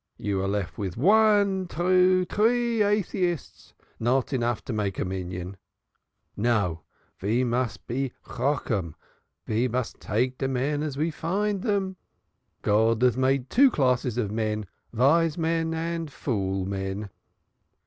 You are left vid von, two, tree ateists not enough to make Minyan. No, ve muz be chocham, ve muz take de men as ve find dem. God has made two classes of men vise men and fool men.